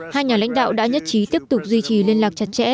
hai nhà lãnh đạo đã nhất trí tiếp tục duy trì liên lạc chặt chẽ